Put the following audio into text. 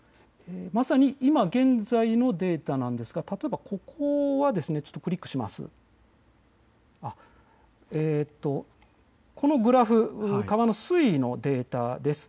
まさに今現在のデータなんですが例えばここはこのグラフ、川の水位のデータです。